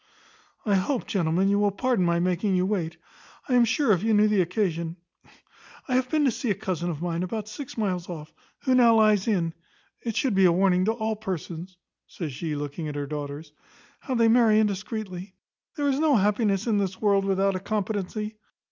"I hope, gentlemen, you will pardon my making you wait; I am sure if you knew the occasion I have been to see a cousin of mine, about six miles off, who now lies in. It should be a warning to all persons (says she, looking at her daughters) how they marry indiscreetly. There is no happiness in this world without a competency.